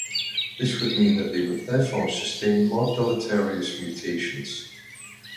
This would mean that they would therefore sustain more deleterious mutations.